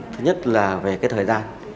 thứ nhất là về cái thời gian